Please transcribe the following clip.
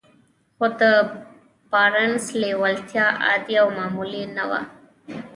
خو د بارنس لېوالتیا عادي او معمولي نه وه.